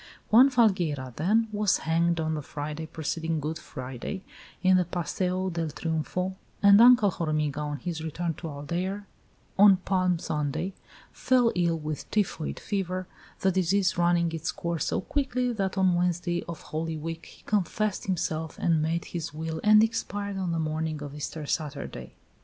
Juan Falgueira, then, was hanged on the Friday preceding Good Friday, in the Paseo del Triumfo, and Uncle Hormiga, on his return to Aldeire, on Palm Sunday, fell ill with typhoid fever, the disease running its course so quickly that on Wednesday of Holy Week he confessed himself and made his will and expired on the morning of Easter Saturday.